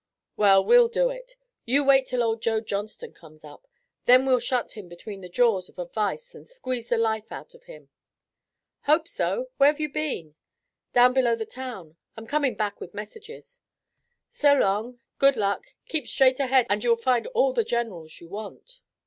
"Well, we'll do it. You wait till old Joe Johnston comes up. Then we'll shut him between the jaws of a vise and squeeze the life out of him." "Hope so. Where've you been?" "Down below the town. I'm coming back with messages." "So long. Good luck. Keep straight ahead, and you'll find all the generals you want."